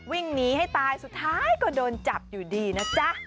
วิ่งหนีให้ตายสุดท้ายก็โดนจับอยู่ดีนะจ๊ะ